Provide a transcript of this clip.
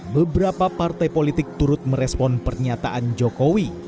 beberapa partai politik turut merespon pernyataan jokowi